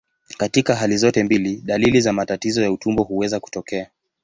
Katika hali zote mbili, dalili za matatizo ya utumbo huweza kutokea.